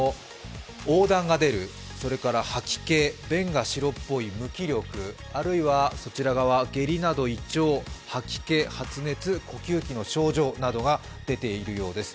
黄疸が出る、それから吐き気、便が白っぽい、無気力、あるいは下痢など胃腸、吐き気、発熱、呼吸器の症状などが出ているようです。